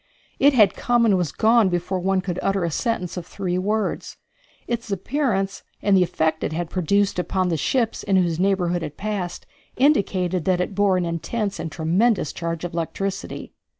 It had come and was gone before one could utter a sentence of three words. Its appearance, and the effect it had produced upon the ships in whose neighborhood it passed, indicated that it bore an intense and tremendous charge of electricity.